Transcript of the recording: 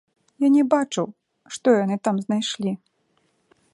Я не бачыў, што яны там знайшлі.